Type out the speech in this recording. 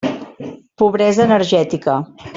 Pobresa energètica.